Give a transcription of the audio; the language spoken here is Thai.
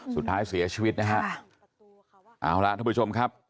สุดท้ายเสียชีวิตนะฮะเอาล่ะท่านผู้ชมครับ